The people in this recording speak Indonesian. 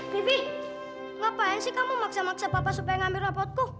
bibi ngapain sih kamu maksa maksa papa supaya ngambil rapotku